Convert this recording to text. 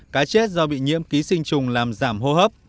cá chết do bị nhiễm ký sinh trùng làm giảm hô hấp